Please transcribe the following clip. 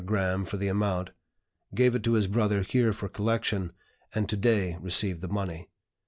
Graham for the amount, gave it to his brother here for collection, and to day received the money.